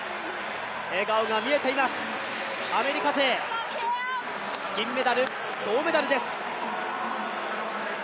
笑顔が見えています、アメリカ勢、金メダル、銅メダルです。